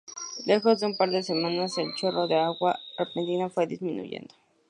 Lejos de un par de semanas, el chorro de agua repentinamente fue disminuyendo.